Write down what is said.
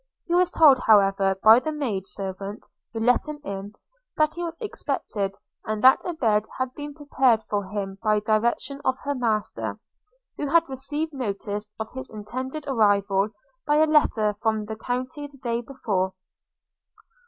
He was told, however, by the maid servant who let him in, that he was expected, and that a bed had been prepared for him by direction of her master, who had received notice of his intended arrival by a letter from the country the day before.